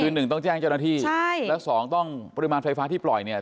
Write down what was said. คือหนึ่งต้องแจ้งเจ้าหน้าที่ใช่แล้วสองต้องปริมาณไฟฟ้าที่ปล่อยเนี่ย